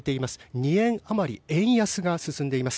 ２円あまり円安が進んでいます。